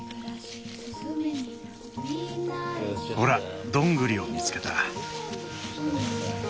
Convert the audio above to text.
ほらどんぐりを見つけた。